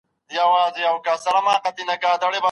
ميرمن د ګډ ژوند د ختمولو لپاره کوم حق لري؟